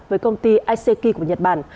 với công ty icki của nhật bản